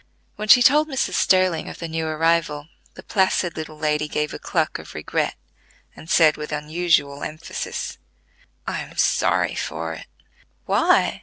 When she told Mrs. Sterling of the new arrival, the placid little lady gave a cluck of regret and said with unusual emphasis: "I'm sorry for it." "Why?"